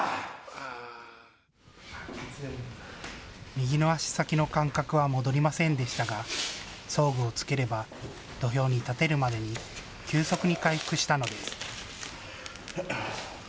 右の足先の感覚は戻りませんでしたが装具を着ければ土俵に立てるまでに急速に回復したのです。